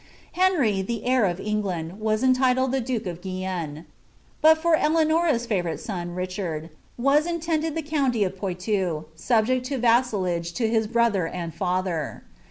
Ileury, ilie heir of England, wu cQUiled (be duke of Guienne ; hut for Eleanora's favourite eon, Richard, ' 1 > inlcndrd the county of Poitou, subject lo vassalage to his broilier i: tather.